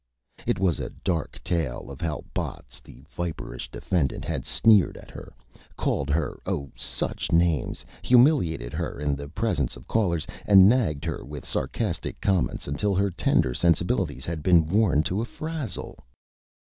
It was a Dark Tale of how Botts, the Viperish Defendant, had Sneered at her, called her Oh Such Names, humiliated her in the presence of Callers, and nagged her with Sarcastic Comments until her Tender Sensibilities had been worn to a Frazzle.